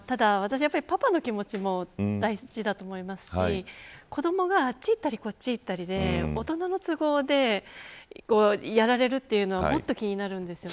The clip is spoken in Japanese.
ただ私、やっぱりパパの気持ちも大事だと思いますし子どもが、あっち行ったりこっち行ったりで、大人の都合でやられるというのはもっと気になるんです。